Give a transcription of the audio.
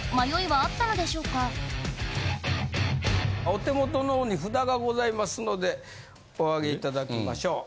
お手元の方に札がございますのでおあげいただきましょう。